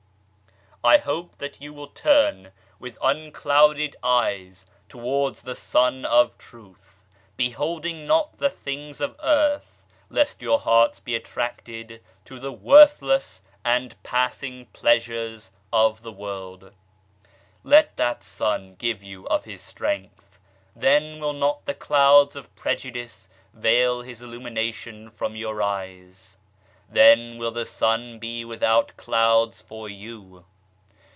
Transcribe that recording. I hope that you will turn with unclouded eyes towards the Sun of Truth, beholding not the things of earth, lest your hearts be attracted to the worthless and passing pleasures of the world ; let that Sun give you of His strength, then will not the clouds of prejudice veil His illumination from your eyes I Then will the Sun be without clouds for you.